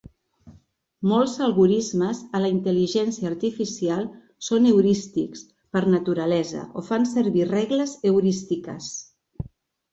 Molts algorismes a la intel·ligència artificial són heurístics per naturalesa, o fan servir regles heurístiques.